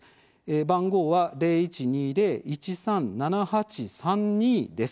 番号は０１２０−１３−７８３２です。